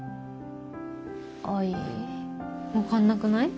分かんなくない？